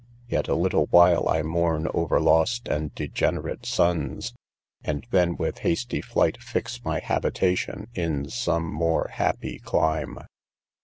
Yet a little while I mourn over lost and degenerate sons, and then with hasty flight fix my habitation in some more happy clime.